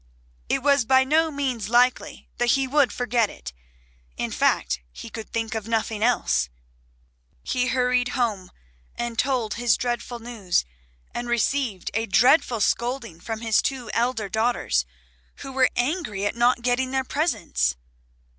It was by no means likely that he would forget it, in fact he could think of nothing else. He hurried home and told his dreadful news, and received a dreadful scolding from his two elder daughters, who were angry at not getting their presents.